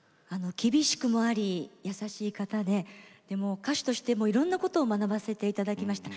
厳しくもあり優しい方で歌手としてもいろんなことを学ばせていただきました。